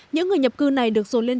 những người nhập cư này được dồn lên